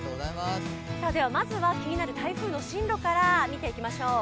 まずは気になる台風の進路から見ていきましょう。